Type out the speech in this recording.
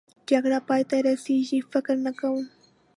جګړه پای ته رسېږي؟ فکر نه کوم.